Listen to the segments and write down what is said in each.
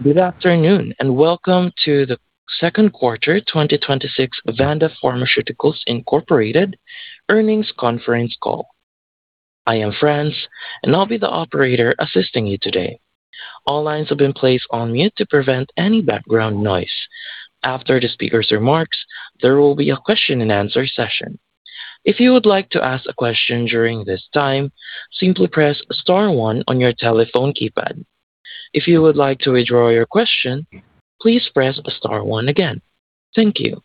Good afternoon, and welcome to the second quarter 2026 Vanda Pharmaceuticals Incorporated earnings conference call. I am France, and I'll be the operator assisting you today. All lines have been placed on mute to prevent any background noise. After the speaker's remarks, there will be a question and answer session. If you would like to ask a question during this time, simply press star one on your telephone keypad. If you would like to withdraw your question, please press star one again. Thank you.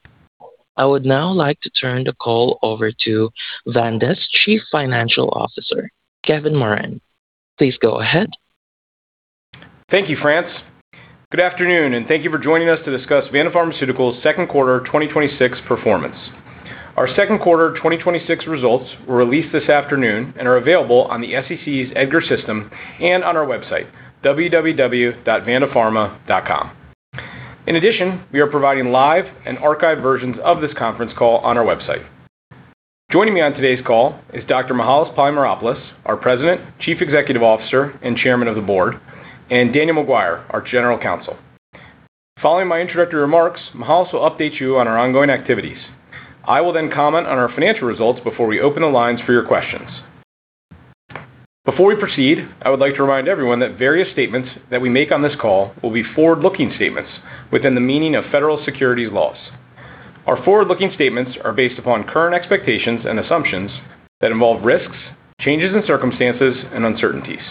I would now like to turn the call over to Vanda's Chief Financial Officer, Kevin Moran. Please go ahead. Thank you, France. Good afternoon, and thank you for joining us to discuss Vanda Pharmaceuticals' second quarter 2026 performance. Our second quarter 2026 results were released this afternoon and are available on the SEC's EDGAR system and on our website, www.vandapharma.com. In addition, we are providing live and archived versions of this conference call on our website. Joining me on today's call is Dr. Mihalis Polymeropoulos, our President, Chief Executive Officer, and Chairman of the Board, and Daniel McGuire, our General Counsel. Following my introductory remarks, Mihalis will update you on our ongoing activities. I will then comment on our financial results before we open the lines for your questions. Before we proceed, I would like to remind everyone that various statements that we make on this call will be forward-looking statements within the meaning of federal securities laws. Our forward-looking statements are based upon current expectations and assumptions that involve risks, changes in circumstances, and uncertainties.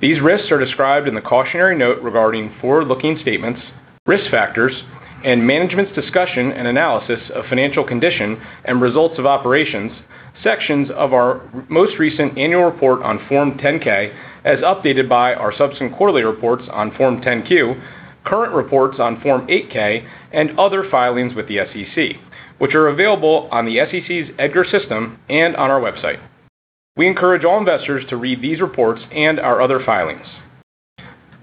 These risks are described in the cautionary note regarding forward-looking statements, risk factors, and management's discussion and analysis of financial condition and results of operations, sections of our most recent annual report on Form 10-K as updated by our subsequent quarterly reports on Form 10-Q, current reports on Form 8-K, and other filings with the SEC, which are available on the SEC's EDGAR system and on our website. We encourage all investors to read these reports and our other filings.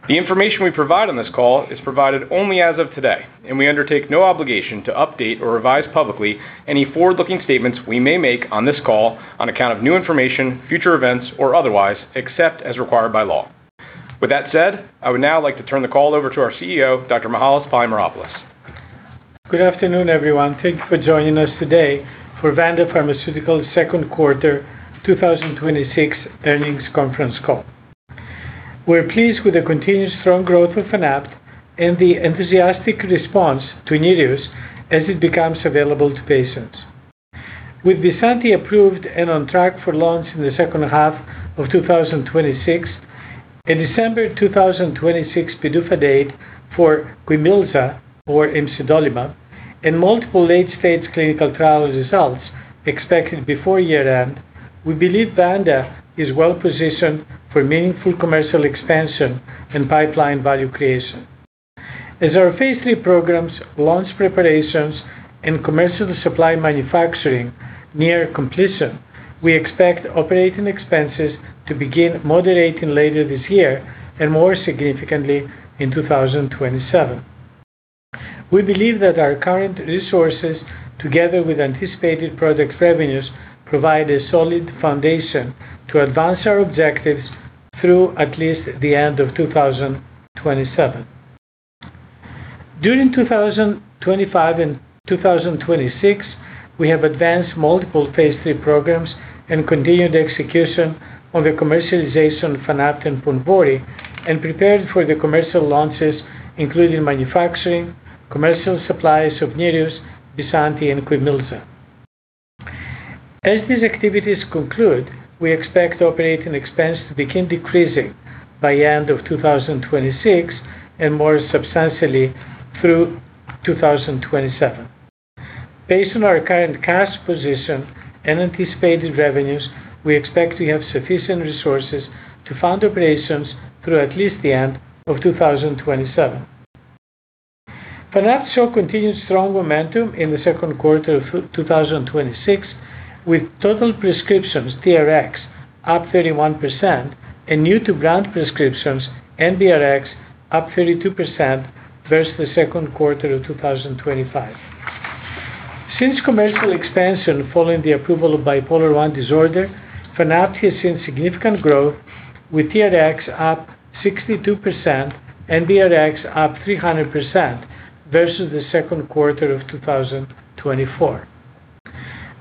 The information we provide on this call is provided only as of today, and we undertake no obligation to update or revise publicly any forward-looking statements we may make on this call on account of new information, future events, or otherwise, except as required by law. With that said, I would now like to turn the call over to our CEO, Dr. Mihalis Polymeropoulos. Good afternoon, everyone. Thank you for joining us today for Vanda Pharmaceuticals' second quarter 2026 earnings conference call. We're pleased with the continued strong growth of Fanapt and the enthusiastic response to NEREUS as it becomes available to patients. With BYSANTI approved and on track for launch in the second half of 2026, a December 2026 PDUFA date for Quimilza or imsidolimab, and multiple late-stage clinical trial results expected before year-end, we believe Vanda is well-positioned for meaningful commercial expansion and pipeline value creation. As our phase III programs launch preparations and commercial supply manufacturing near completion, we expect operating expenses to begin moderating later this year, and more significantly in 2027. We believe that our current resources, together with anticipated product revenues, provide a solid foundation to advance our objectives through at least the end of 2027. During 2025 and 2026, we have advanced multiple phase III programs and continued execution on the commercialization of Fanapt and PONVORY, and prepared for the commercial launches, including manufacturing, commercial supplies of NEREUS, BYSANTI, and Quimilza. As these activities conclude, we expect operating expense to begin decreasing by the end of 2026 and more substantially through 2027. Based on our current cash position and anticipated revenues, we expect to have sufficient resources to fund operations through at least the end of 2027. Fanapt showed continued strong momentum in the second quarter of 2026, with total prescriptions, TRx, up 31%, and new to brand prescriptions, NBRx, up 32% versus the second quarter of 2025. Since commercial expansion following the approval of bipolar I disorder, Fanapt has seen significant growth, with TRx up 62%, NBRx up 300% versus the second quarter of 2024.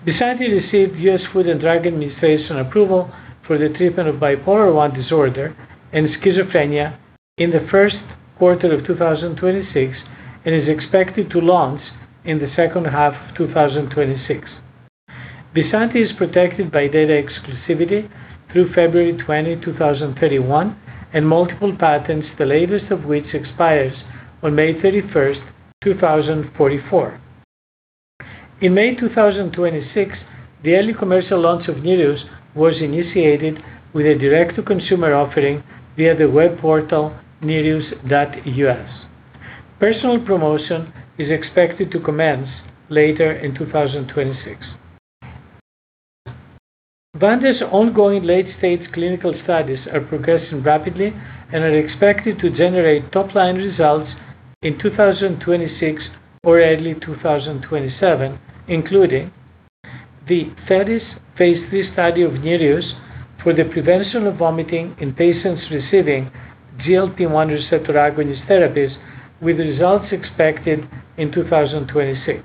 BYSANTI received U.S. Food and Drug Administration approval for the treatment of bipolar I disorder and schizophrenia in the first quarter of 2026 and is expected to launch in the second half of 2026. BYSANTI is protected by data exclusivity through February 20, 2031, and multiple patents, the latest of which expires on May 31st, 2044. In May 2026, the early commercial launch of NEREUS was initiated with a direct-to-consumer offering via the web portal nereus.us. Personal promotion is expected to commence later in 2026. Vanda's ongoing late-stage clinical studies are progressing rapidly and are expected to generate top-line results in 2026 or early 2027, including The phase III study of NEREUS for the prevention of vomiting in patients receiving GLP-1 receptor agonist therapies, with results expected in 2026.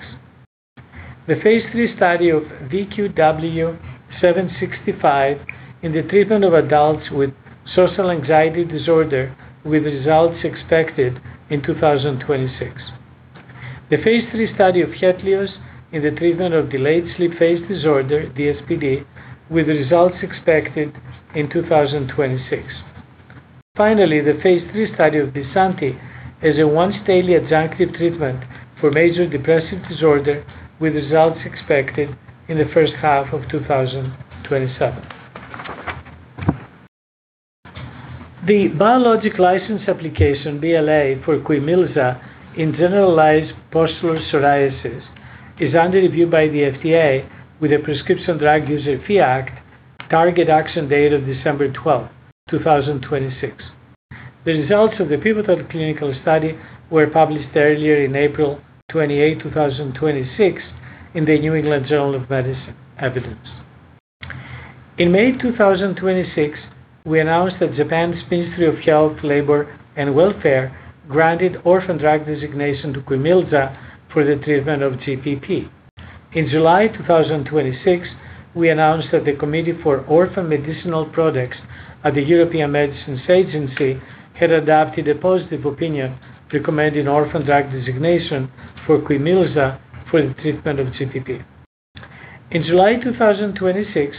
The phase III study of VQW-765 in the treatment of adults with social anxiety disorder, with results expected in 2026. The phase III study of HETLIOZ in the treatment of delayed sleep phase disorder, DSPD, with results expected in 2026. Finally, the phase III study of BYSANTI as a once-daily adjunctive treatment for major depressive disorder, with results expected in the first half of 2027. The biologic license application, BLA, for Quimilza in Generalized Pustular Psoriasis is under review by the FDA with a Prescription Drug User Fee Act target action date of December 12th, 2026. The results of the pivotal clinical study were published earlier on April 28, 2026, in the NEJM Evidence. In May 2026, we announced that Japan's Ministry of Health, Labour and Welfare granted orphan drug designation to Quimilza for the treatment of GPP. In July 2026, we announced that the Committee for Orphan Medicinal Products at the European Medicines Agency had adopted a positive opinion recommending orphan drug designation for Quimilza for the treatment of GPP. In July 2026,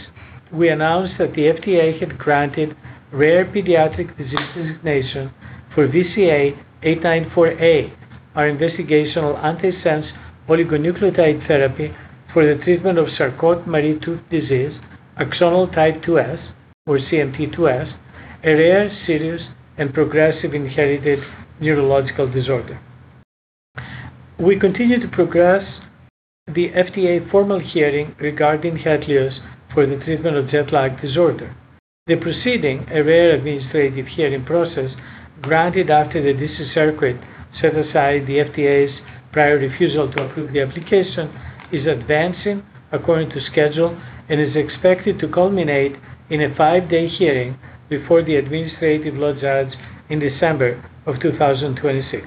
we announced that the FDA had granted rare pediatric disease designation for VCA-894A, our investigational antisense oligonucleotide therapy for the treatment of Charcot-Marie-Tooth disease, axonal type 2S, or CMT 2S, a rare, serious and progressive inherited neurological disorder. We continue to progress the FDA formal hearing regarding HETLIOZ for the treatment of jet lag disorder. The proceeding, a rare administrative hearing process granted after the D.C. Circuit set aside the FDA's prior refusal to approve the application, is advancing according to schedule and is expected to culminate in a five-day hearing before the administrative law judge in December of 2026.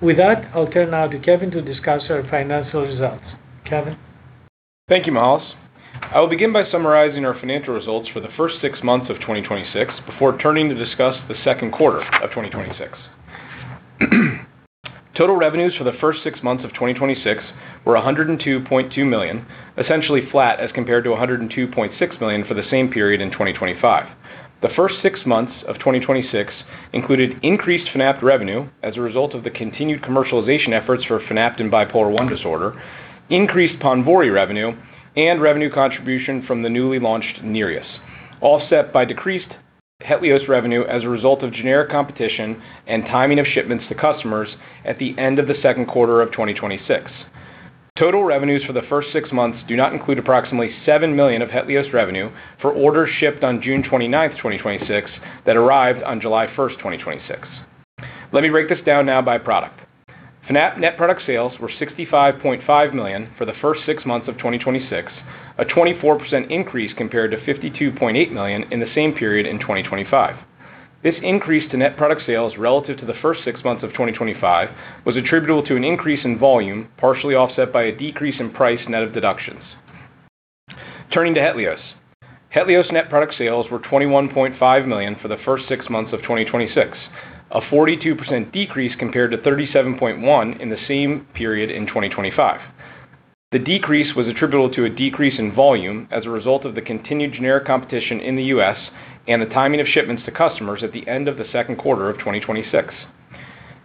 With that, I'll turn now to Kevin to discuss our financial results. Kevin? Thank you, Milos. I will begin by summarizing our financial results for the first six months of 2026 before turning to discuss the second quarter of 2026. Total revenues for the first six months of 2026 were $102.2 million, essentially flat as compared to $102.6 million for the same period in 2025. The first six months of 2026 included increased Fanapt revenue as a result of the continued commercialization efforts for Fanapt bipolar I disorder, increased PONVORY revenue, and revenue contribution from the newly launched NEREUS, offset by decreased HETLIOZ revenue as a result of generic competition and timing of shipments to customers at the end of the second quarter of 2026. Total revenues for the first six months do not include approximately $7 million of HETLIOZ revenue for orders shipped on June 29th, 2026 that arrived on July 1st, 2026. Let me break this down now by product. Fanapt net product sales were $65.5 million for the first six months of 2026, a 24% increase compared to $52.8 million in the same period in 2025. This increase to net product sales relative to the first six months of 2025 was attributable to an increase in volume, partially offset by a decrease in price net of deductions. Turning to HETLIOZ. HETLIOZ net product sales were $21.5 million for the first six months of 2026, a 42% decrease compared to $37.1 million in the same period in 2025. The decrease was attributable to a decrease in volume as a result of the continued generic competition in the U.S. and the timing of shipments to customers at the end of the second quarter of 2026.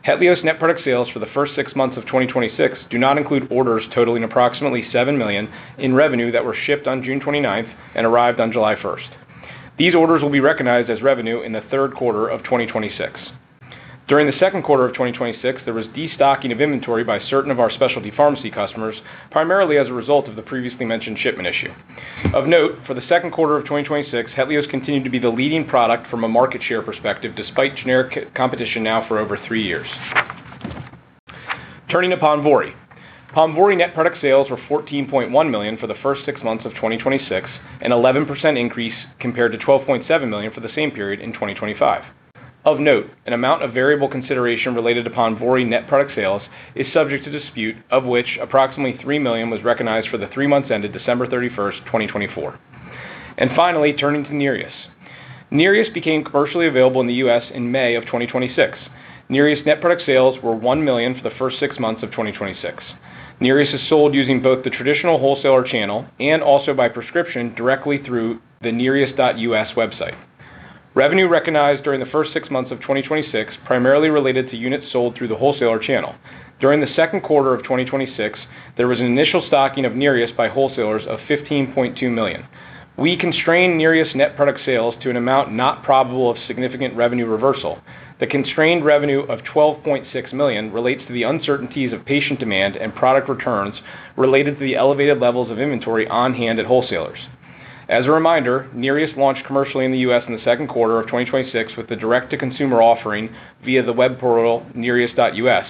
HETLIOZ net product sales for the first six months of 2026 do not include orders totaling approximately $7 million in revenue that were shipped on June 29th and arrived on July 1st. These orders will be recognized as revenue in the third quarter of 2026. During the second quarter of 2026, there was destocking of inventory by certain of our specialty pharmacy customers, primarily as a result of the previously mentioned shipment issue. Of note, for the second quarter of 2026, HETLIOZ continued to be the leading product from a market share perspective, despite generic competition now for over three years. Turning to PONVORY. PONVORY net product sales were $14.1 million for the first six months of 2026, an 11% increase compared to $12.7 million for the same period in 2025. Of note, an amount of variable consideration related to PONVORY net product sales is subject to dispute, of which approximately $3 million was recognized for the three months ended December 31st, 2024. Finally, turning to NEREUS. NEREUS became commercially available in the U.S. in May of 2026. NEREUS net product sales were $1 million for the first six months of 2026. NEREUS is sold using both the traditional wholesaler channel and also by prescription directly through the nereus.us website. Revenue recognized during the first six months of 2026 primarily related to units sold through the wholesaler channel. During the second quarter of 2026, there was an initial stocking of NEREUS by wholesalers of $15.2 million. We constrained NEREUS net product sales to an amount not probable of significant revenue reversal. The constrained revenue of $12.6 million relates to the uncertainties of patient demand and product returns related to the elevated levels of inventory on hand at wholesalers. As a reminder, NEREUS launched commercially in the U.S. in the second quarter of 2026 with the direct-to-consumer offering via the web portal, nereus.us.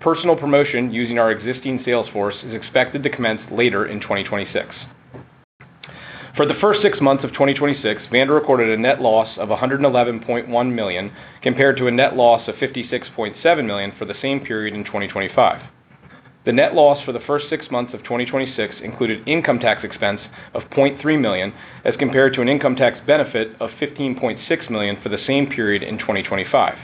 Personal promotion using our existing sales force is expected to commence later in 2026. For the first six months of 2026, Vanda recorded a net loss of $111.1 million, compared to a net loss of $56.7 million for the same period in 2025. The net loss for the first six months of 2026 included income tax expense of $0.3 million, as compared to an income tax benefit of $15.6 million for the same period in 2025.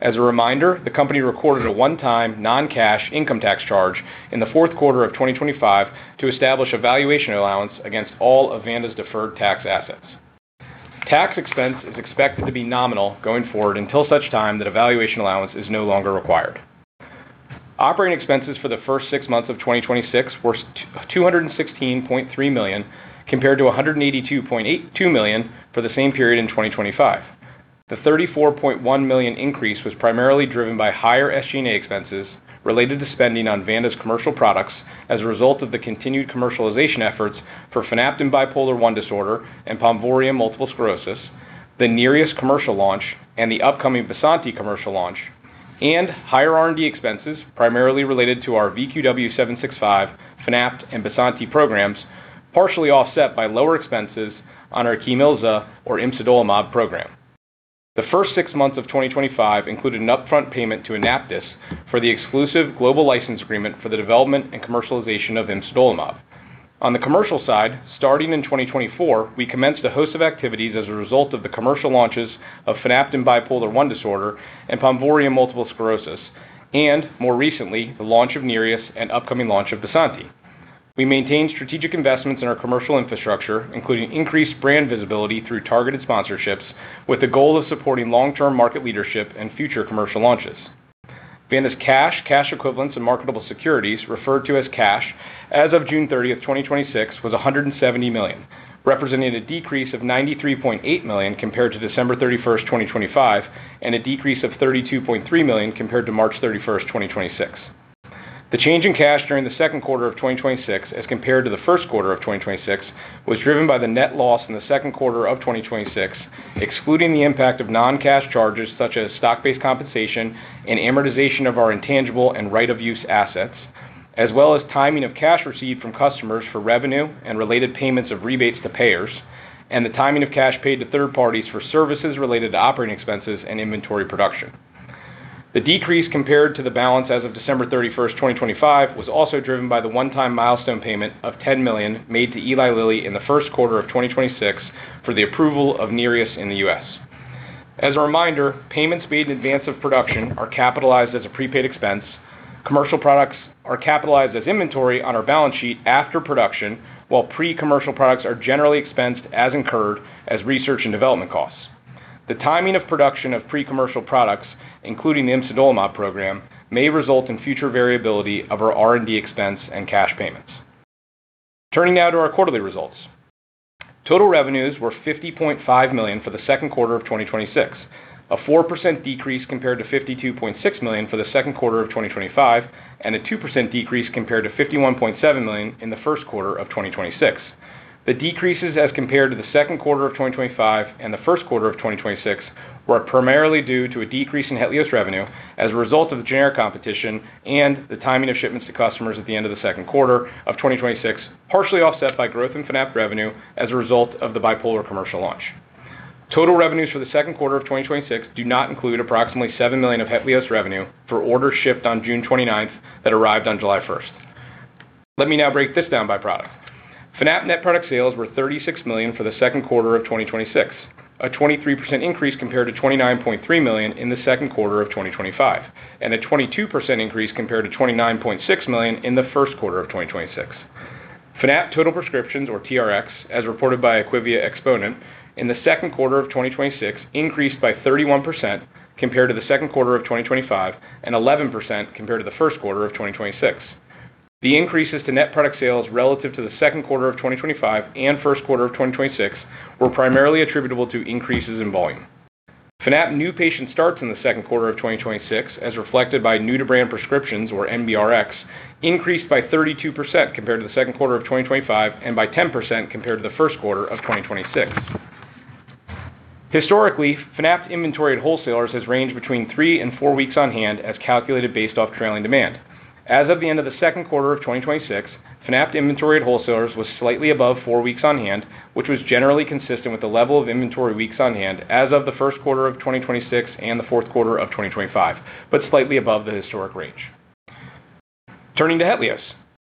As a reminder, the company recorded a one-time non-cash income tax charge in the fourth quarter of 2025 to establish a valuation allowance against all of Vanda's deferred tax assets. Tax expense is expected to be nominal going forward until such time that a valuation allowance is no longer required. Operating expenses for the first six months of 2026 were $216.3 million, compared to $182.82 million for the same period in 2025. The $34.1 million increase was primarily driven by higher SG&A expenses related to spending on Vanda's commercial products as a result of the continued commercialization efforts for Fanapt in bipolar I disorder and PONVORY multiple sclerosis, the NEREUS commercial launch, and the upcoming BYSANTI commercial launch, and higher R&D expenses, primarily related to our VQW-765, Fanapt, and BYSANTI programs, partially offset by lower expenses on our Quimilza or imsidolimab program. The first six months of 2025 included an upfront payment to AnaptysBio for the exclusive global license agreement for the development and commercialization of imsidolimab. The commercial side, starting in 2024, we commenced a host of activities as a result of the commercial launches of Fanapt in bipolar I disorder and PONVORY multiple sclerosis, and more recently, the launch of NEREUS and upcoming launch of BYSANTI. We maintained strategic investments in our commercial infrastructure, including increased brand visibility through targeted sponsorships with the goal of supporting long-term market leadership and future commercial launches. Vanda's cash equivalents, and marketable securities, referred to as cash, as of June 30, 2026, was $170 million, representing a decrease of $93.8 million compared to December 31, 2025, and a decrease of $32.3 million compared to March 31, 2026. The change in cash during the second quarter of 2026 as compared to the first quarter of 2026, was driven by the net loss in the second quarter of 2026, excluding the impact of non-cash charges such as stock-based compensation and amortization of our intangible and right of use assets, as well as timing of cash received from customers for revenue and related payments of rebates to payers, and the timing of cash paid to third parties for services related to operating expenses and inventory production. The decrease compared to the balance as of December 31, 2025, was also driven by the one-time milestone payment of $10 million made to Eli Lilly in the first quarter of 2026 for the approval of NEREUS in the U.S. As a reminder, payments made in advance of production are capitalized as a prepaid expense. Commercial products are capitalized as inventory on our balance sheet after production, while pre-commercial products are generally expensed as incurred as research and development costs. The timing of production of pre-commercial products, including the imsidolimab program, may result in future variability of our R&D expense and cash payments. Turning now to our quarterly results. Total revenues were $50.5 million for the second quarter of 2026, a 4% decrease compared to $52.6 million for the second quarter of 2025, and a 2% decrease compared to $51.7 million in the first quarter of 2026. The decreases as compared to the second quarter of 2025 and the first quarter of 2026, were primarily due to a decrease in HETLIOZ revenue as a result of the generic competition and the timing of shipments to customers at the end of the second quarter of 2026, partially offset by growth in Fanapt revenue as a result of the bipolar commercial launch. Total revenues for the second quarter of 2026 do not include approximately $7 million of HETLIOZ revenue for orders shipped on June 29th that arrived on July 1st. Let me now break this down by product. Fanapt net product sales were $36 million for the second quarter of 2026, a 23% increase compared to $29.3 million in the second quarter of 2025, and a 22% increase compared to $29.6 million in the first quarter of 2026. Fanapt total prescriptions, or TRXs, as reported by IQVIA Xponent in the second quarter of 2026, increased by 31% compared to the second quarter of 2025 and 11% compared to the first quarter of 2026. The increases to net product sales relative to the second quarter of 2025 and first quarter of 2026, were primarily attributable to increases in volume. Fanapt new patient starts in the second quarter of 2026, as reflected by new-to-brand prescriptions or NBRXs, increased by 32% compared to the second quarter of 2025 and by 10% compared to the first quarter of 2026. Historically, Fanapt inventory at wholesalers has ranged between three and four weeks on hand, as calculated based off trailing demand. As of the end of the second quarter of 2026, Fanapt inventory at wholesalers was slightly above four weeks on hand, which was generally consistent with the level of inventory weeks on hand as of the first quarter of 2026 and the fourth quarter of 2025, but slightly above the historic range. Turning to HETLIOZ.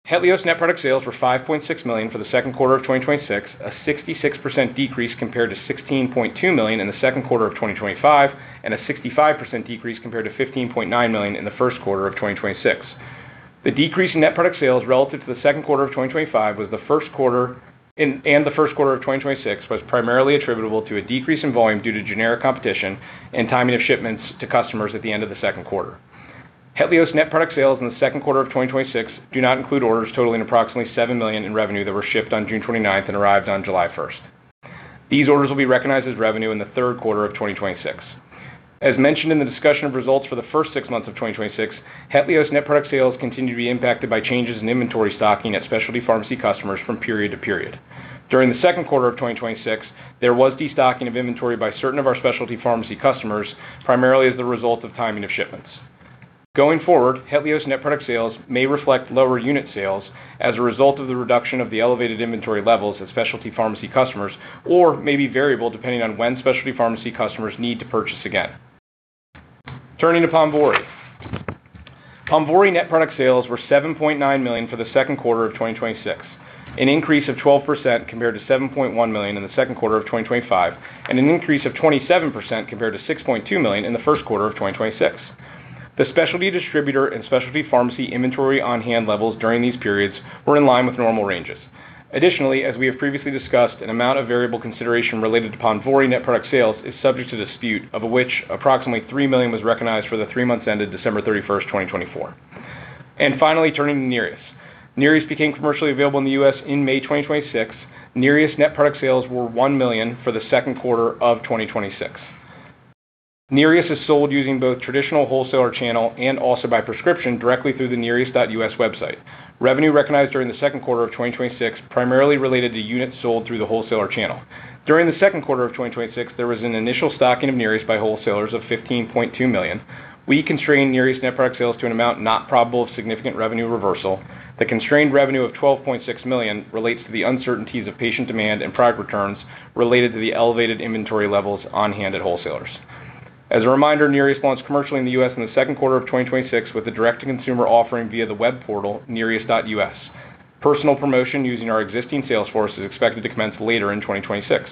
HETLIOZ net product sales were $5.6 million for the second quarter of 2026, a 66% decrease compared to $16.2 million in the second quarter of 2025, and a 65% decrease compared to $15.9 million in the first quarter of 2026. The decrease in net product sales relative to the second quarter of 2025 and the first quarter of 2026, was primarily attributable to a decrease in volume due to generic competition and timing of shipments to customers at the end of the second quarter. HETLIOZ net product sales in the second quarter of 2026 do not include orders totaling approximately $7 million in revenue that were shipped on June 29th and arrived on July 1st. These orders will be recognized as revenue in the third quarter of 2026. As mentioned in the discussion of results for the first six months of 2026, HETLIOZ net product sales continue to be impacted by changes in inventory stocking at specialty pharmacy customers from period to period. During the second quarter of 2026, there was destocking of inventory by certain of our specialty pharmacy customers, primarily as the result of timing of shipments. Going forward, HETLIOZ net product sales may reflect lower unit sales as a result of the reduction of the elevated inventory levels at specialty pharmacy customers or may be variable depending on when specialty pharmacy customers need to purchase again. Turning to PONVORY. PONVORY net product sales were $7.9 million for the second quarter of 2026, an increase of 12% compared to $7.1 million in the second quarter of 2025, and an increase of 27% compared to $6.2 million in the first quarter of 2026. The specialty distributor and specialty pharmacy inventory on-hand levels during these periods were in line with normal ranges. Additionally, as we have previously discussed, an amount of variable consideration related to PONVORY net product sales is subject to dispute of which approximately $3 million was recognized for the three months ended December 31st, 2024. Finally, turning to NEREUS. NEREUS became commercially available in the U.S. in May 2026. NEREUS net product sales were $1 million for the second quarter of 2026. NEREUS is sold using both traditional wholesaler channel and also by prescription directly through the nereus.us website. Revenue recognized during the second quarter of 2026 primarily related to units sold through the wholesaler channel. During the second quarter of 2026, there was an initial stocking of NEREUS by wholesalers of $15.2 million. We constrained NEREUS net product sales to an amount not probable of significant revenue reversal. The constrained revenue of $12.6 million relates to the uncertainties of patient demand and product returns related to the elevated inventory levels on-hand at wholesalers. As a reminder, NEREUS launched commercially in the U.S. in the second quarter of 2026 with a direct-to-consumer offering via the web portal, nereus.us. Personal promotion using our existing sales force is expected to commence later in 2026.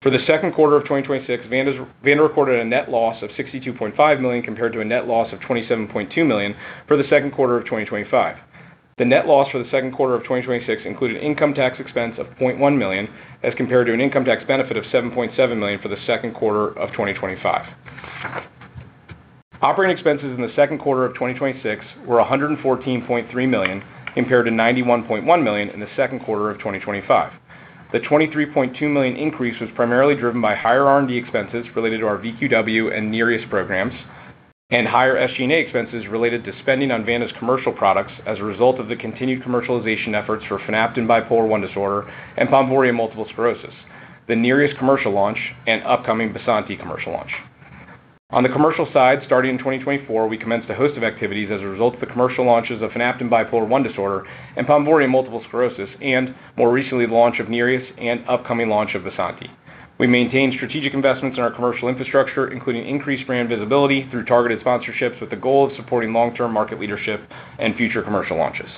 For the second quarter of 2026, Vanda recorded a net loss of $62.5 million compared to a net loss of $27.2 million for the second quarter of 2025. The net loss for the second quarter of 2026 included income tax expense of $0.1 million as compared to an income tax benefit of $7.7 million for the second quarter of 2025. Operating expenses in the second quarter of 2026 were $114.3 million compared to $91.1 million in the second quarter of 2025. The $23.2 million increase was primarily driven by higher R&D expenses related to our VQW and NEREUS programs and higher SG&A expenses related to spending on Vanda's commercial products as a result of the continued commercialization efforts for Fanapt in bipolar I disorder and PONVORY in multiple sclerosis, the NEREUS commercial launch, and upcoming BYSANTI commercial launch. On the commercial side, starting in 2024, we commenced a host of activities as a result of the commercial launches of Fanapt in bipolar I disorder and PONVORY in multiple sclerosis, and more recently, the launch of NEREUS and upcoming launch of BYSANTI. We maintained strategic investments in our commercial infrastructure, including increased brand visibility through targeted sponsorships with the goal of supporting long-term market leadership and future commercial launches.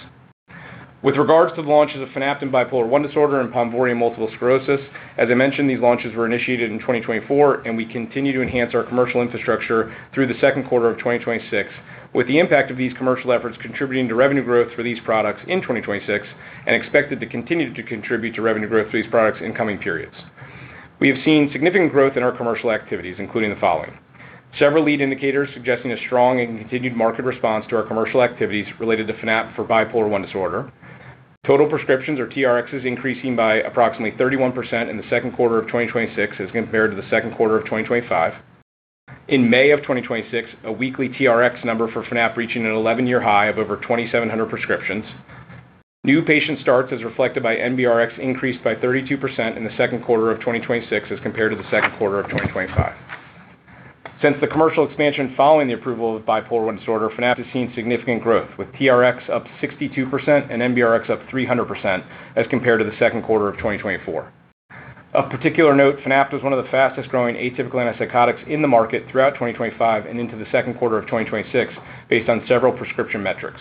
With regards to the launches of Fanapt in bipolar I disorder and PONVORY in multiple sclerosis, as I mentioned, these launches were initiated in 2024, and we continue to enhance our commercial infrastructure through the second quarter of 2026, with the impact of these commercial efforts contributing to revenue growth for these products in 2026 and expected to continue to contribute to revenue growth for these products in coming periods. We have seen significant growth in our commercial activities, including the following. Several lead indicators suggesting a strong and continued market response to our commercial activities related to Fanapt for bipolar I disorder. Total prescriptions or TRx increasing by approximately 31% in the second quarter of 2026 as compared to the second quarter of 2025. In May of 2026, a weekly TRx number for Fanapt reaching an 11-year high of over 2,700 prescriptions. New patient starts, as reflected by NBRx, increased by 32% in the second quarter of 2026 as compared to the second quarter of 2025. Since the commercial expansion following the approval of bipolar I disorder, Fanapt has seen significant growth, with TRx up 62% and NBRx up 300% as compared to the second quarter of 2024. Of particular note, Fanapt was one of the fastest-growing atypical antipsychotics in the market throughout 2025 and into the second quarter of 2026 based on several prescription metrics.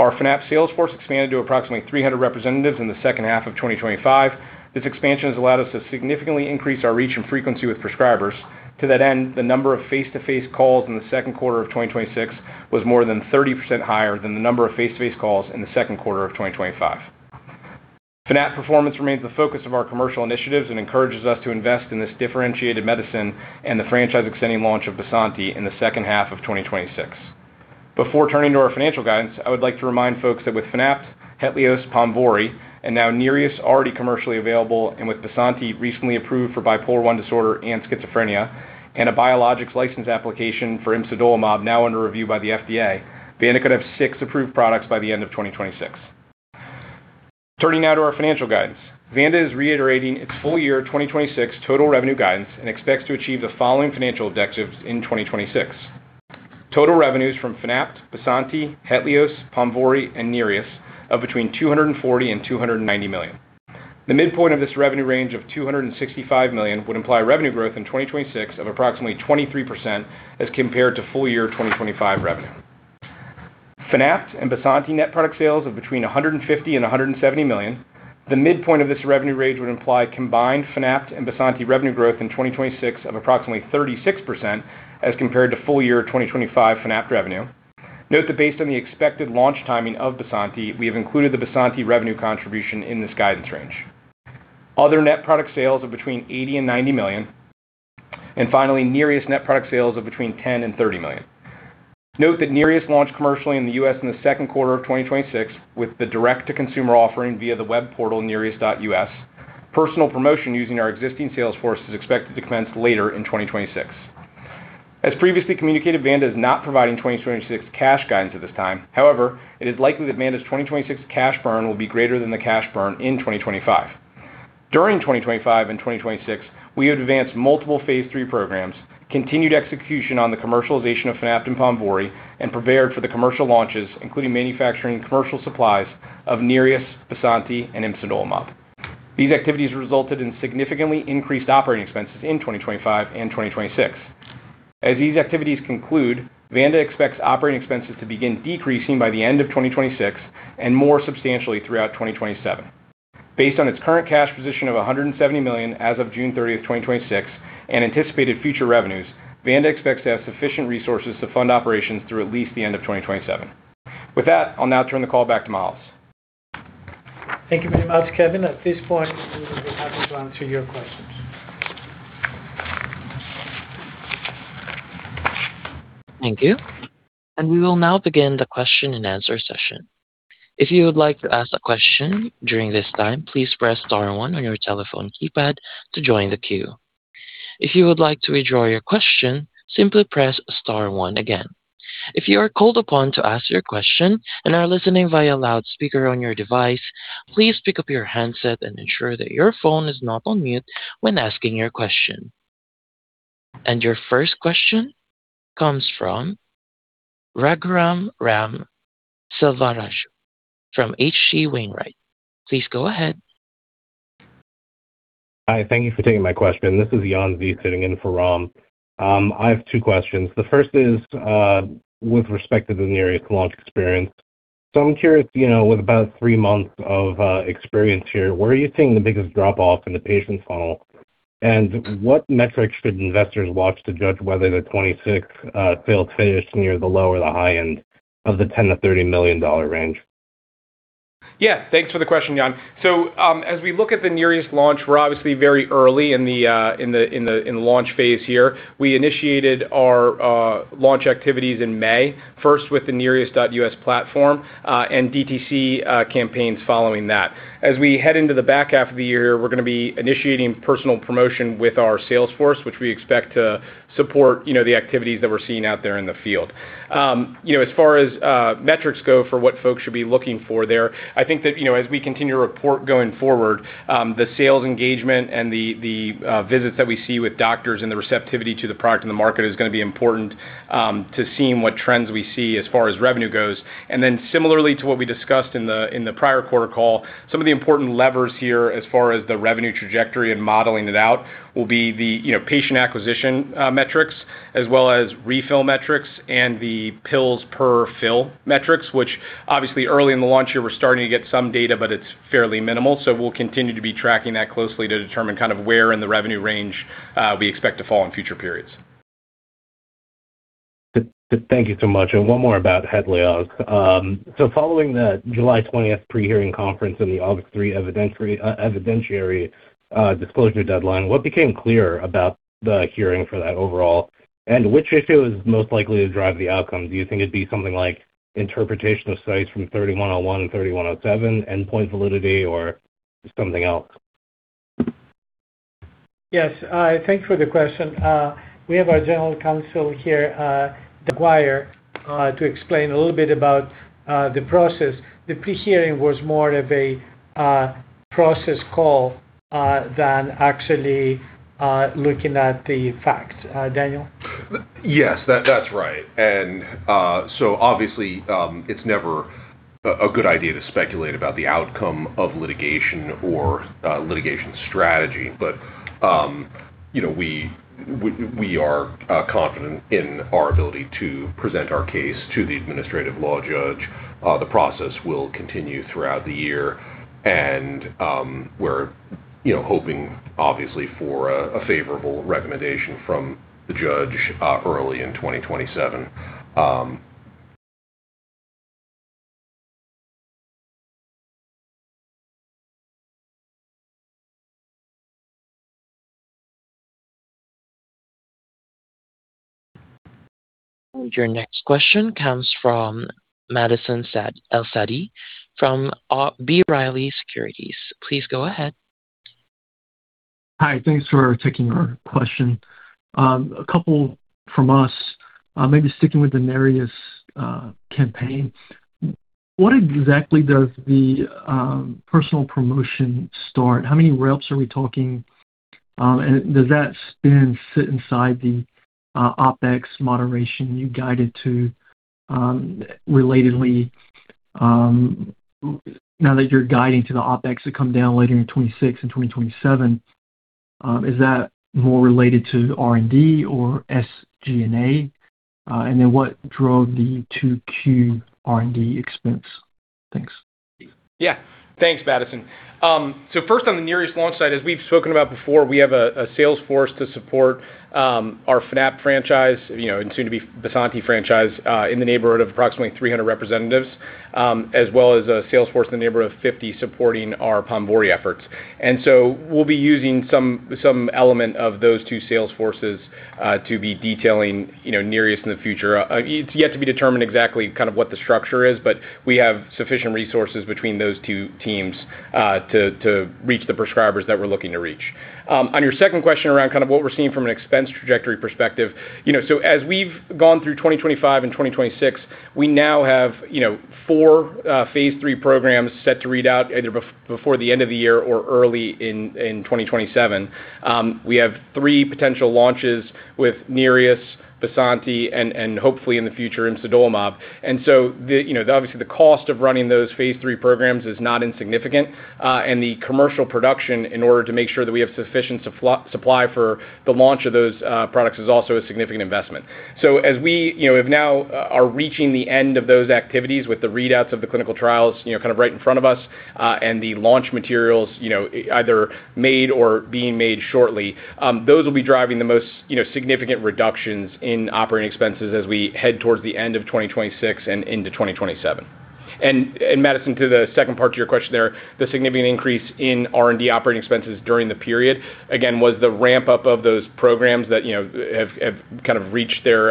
Our Fanapt sales force expanded to approximately 300 representatives in the second half of 2025. This expansion has allowed us to significantly increase our reach and frequency with prescribers. To that end, the number of face-to-face calls in the second quarter of 2026 was more than 30% higher than the number of face-to-face calls in the second quarter of 2025. Fanapt performance remains the focus of our commercial initiatives and encourages us to invest in this differentiated medicine and the franchise-extending launch of BYSANTI in the second half of 2026. Before turning to our financial guidance, I would like to remind folks that with Fanapt, HETLIOZ, PONVORY, and now NEREUS already commercially available, and with BYSANTI recently approved for bipolar I disorder and schizophrenia, and a biologics license application for imsidolimab now under review by the FDA, Vanda could have six approved products by the end of 2026. Turning now to our financial guidance. Vanda is reiterating its full year 2026 total revenue guidance and expects to achieve the following financial objectives in 2026. Total revenues from Fanapt, BYSANTI, HETLIOZ, PONVORY, and NEREUS of between $240 million and $290 million. The midpoint of this revenue range of $265 million would imply revenue growth in 2026 of approximately 23% as compared to full year 2025 revenue. Fanapt and BYSANTI net product sales of between $150 million and $170 million. The midpoint of this revenue range would imply combined Fanapt and BYSANTI revenue growth in 2026 of approximately 36% as compared to full year 2025 Fanapt revenue. Note that based on the expected launch timing of BYSANTI, we have included the BYSANTI revenue contribution in this guidance range. Other net product sales of between $80 million and $190 million. Finally, NEREUS net product sales of between $10 million and $30 million. Note that NEREUS launched commercially in the U.S. in the second quarter of 2026 with the direct-to-consumer offering via the web portal, nereus.us. Personal promotion using our existing sales force is expected to commence later in 2026. As previously communicated, Vanda is not providing 2026 cash guidance at this time. However, it is likely that Vanda's 2026 cash burn will be greater than the cash burn in 2025. During 2025 and 2026, we advanced multiple phase III programs, continued execution on the commercialization of Fanapt and PONVORY, and prepared for the commercial launches, including manufacturing commercial supplies of NEREUS, BYSANTI, and imsidolimab. These activities resulted in significantly increased operating expenses in 2025 and 2026. As these activities conclude, Vanda expects operating expenses to begin decreasing by the end of 2026, and more substantially throughout 2027. Based on its current cash position of $170 million as of June 30, 2026, and anticipated future revenues, Vanda expects to have sufficient resources to fund operations through at least the end of 2027. With that, I'll now turn the call back to Miles. Thank you very much, Kevin. At this point, we will be happy to answer your questions. Thank you. We will now begin the question and answer session. If you would like to ask a question during this time, please press star one on your telephone keypad to join the queue. If you would like to withdraw your question, simply press star one again. If you are called upon to ask your question and are listening via loudspeaker on your device, please pick up your handset and ensure that your phone is not on mute when asking your question. Your first question comes from Raghuram Ram Selvaraju from H.C. Wainwright. Please go ahead. Hi. Thank you for taking my question. This is Jan Z sitting in for Ram. I have two questions. The first is, with respect to the NEREUS launch experience. I'm curious, with about three months of experience here, where are you seeing the biggest drop-off in the patient funnel? What metrics should investors watch to judge whether the 26 sales finish near the low or the high end of the $10 million-$30 million range? Yeah, thanks for the question, Jan. As we look at the NEREUS launch, we're obviously very early in the launch phase here. We initiated our launch activities in May, first with the nereus.us platform, and DTC campaigns following that. As we head into the back half of the year, we're going to be initiating personal promotion with our sales force, which we expect to support the activities that we're seeing out there in the field. As far as metrics go for what folks should be looking for there, I think that as we continue to report going forward, the sales engagement and the visits that we see with doctors and the receptivity to the product and the market is going to be important to seeing what trends we see as far as revenue goes. Similarly to what we discussed in the prior quarter call, some of the important levers here as far as the revenue trajectory and modeling it out will be the patient acquisition metrics as well as refill metrics and the pills per fill metrics, which obviously early in the launch year, we're starting to get some data, but it's fairly minimal. We'll continue to be tracking that closely to determine where in the revenue range we expect to fall in future periods. Thank you so much. One more about HETLIOZ. Following that July 20th pre-hearing conference and the August 3 evidentiary disclosure deadline, what became clear about the hearing for that overall, and which issue is most likely to drive the outcome? Do you think it'd be something like interpretation of studies from 3101 and 3107, endpoint validity, or something else? Yes. Thanks for the question. We have our General Counsel here, Daniel McGuire, to explain a little bit about the process. The pre-hearing was more of a process call than actually looking at the facts. Daniel? Yes. That's right. Obviously, it's never a good idea to speculate about the outcome of litigation or litigation strategy. We are confident in our ability to present our case to the administrative law judge. The process will continue throughout the year, and we're hoping, obviously, for a favorable recommendation from the judge early in 2027. Your next question comes from Madison El-Saadi from B. Riley Securities. Please go ahead. Hi. Thanks for taking our question. A couple from us. Maybe sticking with the NEREUS campaign, what exactly does the personal promotion start? How many reps are we talking? Does that spend sit inside the OpEx moderation you guided to? Relatedly, now that you're guiding to the OpEx to come down later in 2026 and 2027, is that more related to R&D or SG&A? What drove the 2Q R&D expense? Thanks. Yeah. Thanks, Madison. First on the NEREUS launch site, as we've spoken about before, we have a sales force to support our Fanapt franchise, and soon-to-be BYSANTI franchise, in the neighborhood of approximately 300 representatives, as well as a sales force in the neighborhood of 50 supporting our PONVORY efforts. We'll be using some element of those two sales forces to be detailing NEREUS in the future. It's yet to be determined exactly what the structure is, but we have sufficient resources between those two teams to reach the prescribers that we're looking to reach. On your second question around what we're seeing from an expense trajectory perspective, as we've gone through 2025 and 2026, we now have 4 phase III programs set to read out either before the end of the year or early in 2027. We have 3 potential launches with NEREUS, BYSANTI, and hopefully in the future imsidolimab. Obviously, the cost of running those phase III programs is not insignificant. The commercial production in order to make sure that we have sufficient supply for the launch of those products is also a significant investment. As we now are reaching the end of those activities with the readouts of the clinical trials right in front of us, and the launch materials either made or being made shortly, those will be driving the most significant reductions in operating expenses as we head towards the end of 2026 and into 2027. Madison, to the second part to your question there, the significant increase in R&D operating expenses during the period, again, was the ramp-up of those programs that have reached their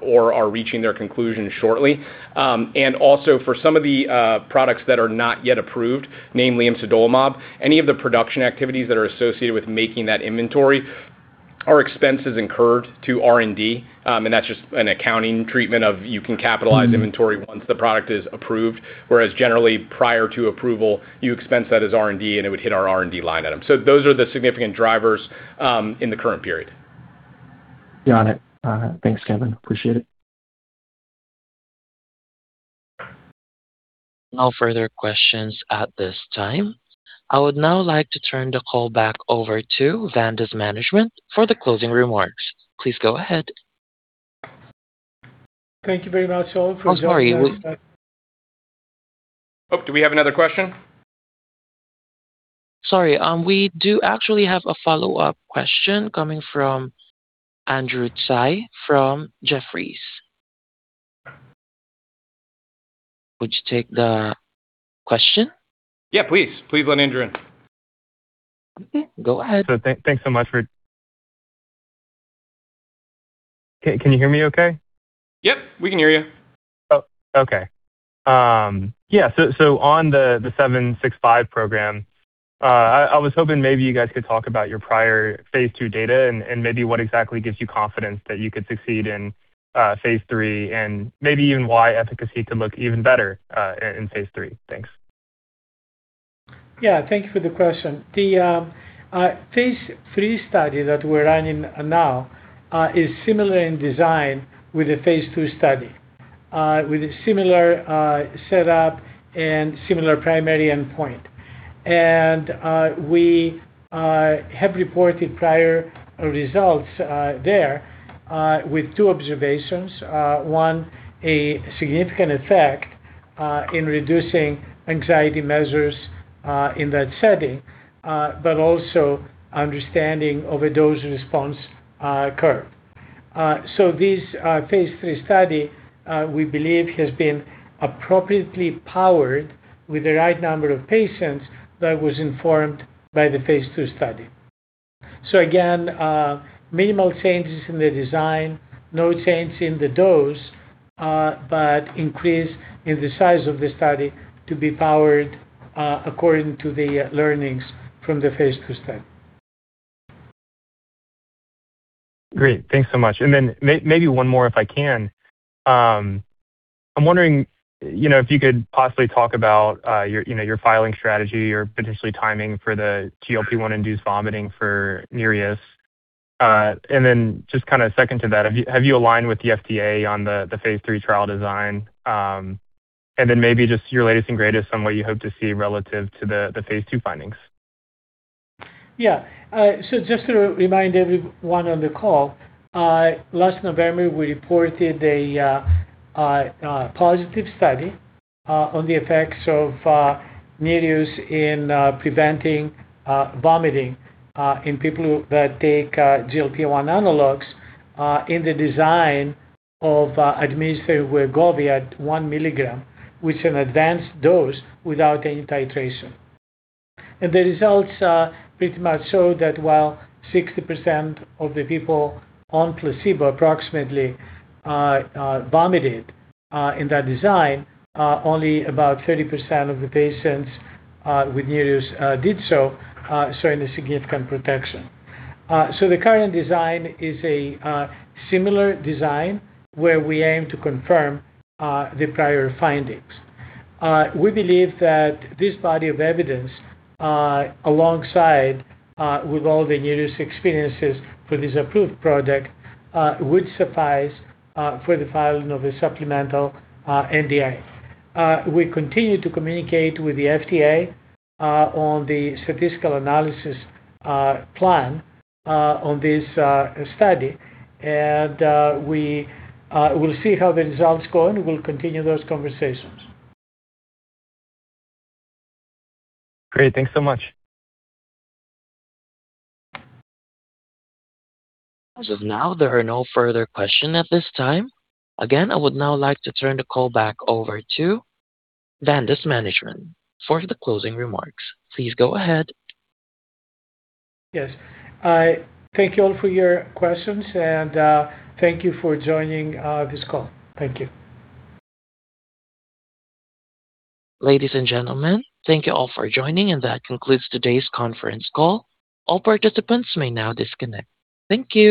or are reaching their conclusion shortly. Also for some of the products that are not yet approved, namely imsidolimab, any of the production activities that are associated with making that inventory are expenses incurred to R&D. That's just an accounting treatment of you can capitalize inventory once the product is approved, whereas generally prior to approval, you expense that as R&D, and it would hit our R&D line item. Those are the significant drivers in the current period. Got it. Thanks, Kevin. Appreciate it. No further questions at this time. I would now like to turn the call back over to Vanda's management for the closing remarks. Please go ahead. Thank you very much all for joining us. Oh, sorry. Oh, do we have another question? Sorry. We do actually have a follow-up question coming from Andrew Tsai from Jefferies. Would you take the question? Yeah, please. Please let Andrew in. Okay, go ahead. Thanks so much for, can you hear me okay? Yep. We can hear you. On the VQW-765 program, I was hoping maybe you guys could talk about your prior phase II data and maybe what exactly gives you confidence that you could succeed in phase III, and maybe even why efficacy could look even better in phase III. Thanks. Thank you for the question. The phase III study that we're running now is similar in design with a phase II study, with a similar setup and similar primary endpoint. We have reported prior results there with two observations. One, a significant effect in reducing anxiety measures in that setting, but also understanding of a dose response curve. This phase III study, we believe has been appropriately powered with the right number of patients that was informed by the phase II study. Again, minimal changes in the design, no change in the dose, but increase in the size of the study to be powered according to the learnings from the phase II study. Great. Thanks so much. Maybe one more, if I can. I'm wondering if you could possibly talk about your filing strategy or potentially timing for the GLP-1-induced vomiting for NEREUS. Just second to that, have you aligned with the FDA on the phase III trial design? Maybe just your latest and greatest on what you hope to see relative to the phase II findings. Yeah. Just to remind everyone on the call, last November, we reported a positive study on the effects of NEREUS in preventing vomiting in people who take GLP-1 analogs in the design of administered with Wegovy at one milligram, which is an advanced dose without any titration. The results pretty much show that while 60% of the people on placebo approximately vomited in that design, only about 30% of the patients with NEREUS did so, showing a significant protection. The current design is a similar design where we aim to confirm the prior findings. We believe that this body of evidence, alongside with all the NEREUS experiences for this approved project, would suffice for the filing of a supplemental NDA. We continue to communicate with the FDA on the statistical analysis plan on this study, and we will see how the results go, and we'll continue those conversations. Great. Thanks so much. As of now, there are no further questions at this time. I would now like to turn the call back over to Vanda's management for the closing remarks. Please go ahead. Yes. Thank you all for your questions, and thank you for joining this call. Thank you. Ladies and gentlemen, thank you all for joining, and that concludes today's conference call. All participants may now disconnect. Thank you.